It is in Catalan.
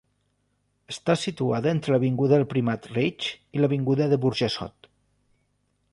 Està situada entre l'avinguda del Primat Reig i l'avinguda de Burjassot.